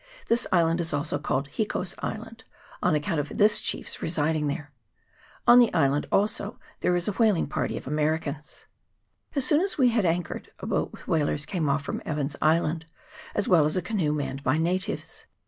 This island is also called Hiko's Island, on account of this chief's residing there. On this island also there is a whaling party of Americans. As soon as we had anchored, a boat with whalers came off from Evans's Island, as well as a canoe manned by natives.